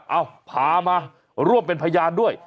เอ้าพามาร่วมเป็นพยานด้วย